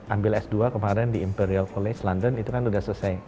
ambil s dua kemarin di imperial collage london itu kan sudah selesai